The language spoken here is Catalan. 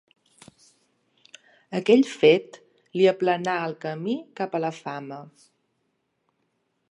Aquell fet li aplanà el camí cap a la fama.